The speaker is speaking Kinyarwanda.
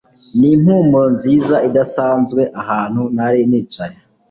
nimpumuro nziza idasanzwe ahantu nari nicaye